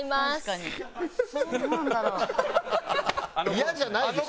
イヤじゃないでしょ？